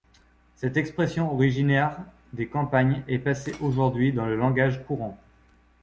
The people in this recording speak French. Cette expression originaire des campagnes est passée aujourd'hui dans le langage courant.